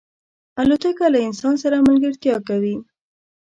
الوتکه له انسان سره ملګرتیا کوي.